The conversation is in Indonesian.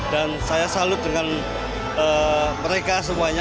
dan saya salut dengan mereka semuanya